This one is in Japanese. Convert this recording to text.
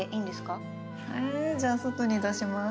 じゃあ外に出します。